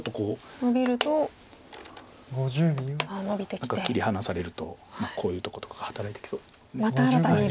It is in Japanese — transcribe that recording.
何か切り離されるとこういうとことかが働いてきそうです。